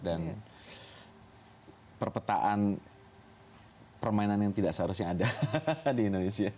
dan perpetaan permainan yang tidak seharusnya ada di indonesia